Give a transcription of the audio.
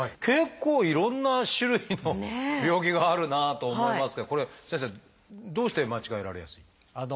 結構いろんな種類の病気があるなと思いますけどこれは先生どうして間違えられやすい？